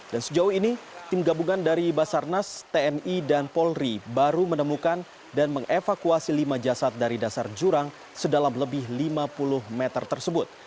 dan sejauh ini tim gabungan dari basarnas tni dan polri baru menemukan dan mengevakuasi lima jasad dari dasar jurang sedalam lebih lima puluh meter tersebut